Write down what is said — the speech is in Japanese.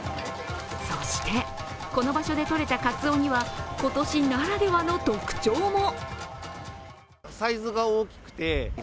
そして、この場所でとれたかつおには今年ならではの特徴も。